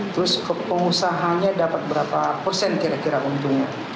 terus pengusahanya dapat berapa persen kira kira untungnya